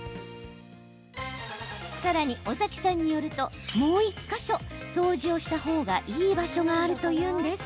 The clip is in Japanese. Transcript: さらに、尾崎さんによるともう１か所、掃除をした方がいい場所があるというんです。